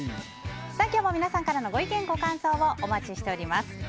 今日も皆さんからのご意見ご感想をお待ちしています。